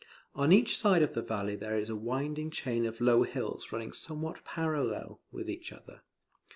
On each side of the valley there is a winding chain of low hills running somewhat parallel, with each other.